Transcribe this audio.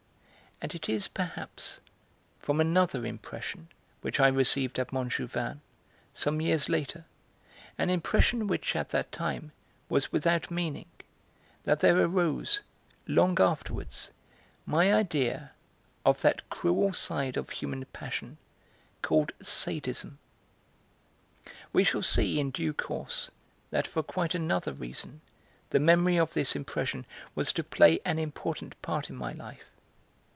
And it is perhaps from another impression which I received at Montjouvain, some years later, an impression which at that time was without meaning, that there arose, long afterwards, my idea of that cruel side of human passion called 'sadism.' We shall see, in due course, that for quite another reason the memory of this impression was to play an important part in my life.